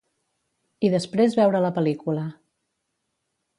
I després veure la pel·lícula.